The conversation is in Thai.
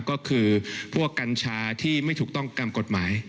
ก็คือพวกกัญชาที่ไม่ถูกต้องตามกฎหมาย